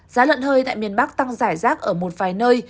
giá lợn hơi tại miền bắc tăng giải rác ở một vài nơi